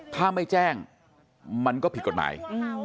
ถ้าไม่แจ้งมันก็ผิดกฎหมาย